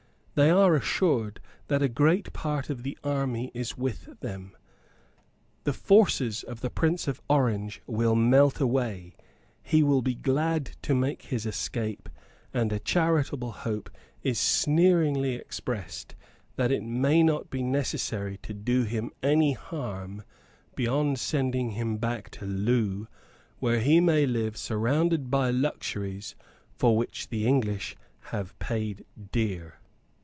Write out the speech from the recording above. They are assured that a great part of the army is with them. The forces of the Prince of Orange will melt away; he will be glad to make his escape; and a charitable hope is sneeringly expressed that it may not be necessary to do him any harm beyond sending him back to Loo, where he may live surrounded by luxuries for which the English have paid dear.